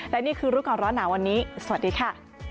และนี่คือรู้ก่อนร้อนหนาวันนี้สวัสดีค่ะ